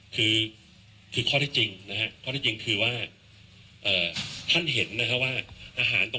คือข้อที่จริงนะครับข้อที่จริงคือว่า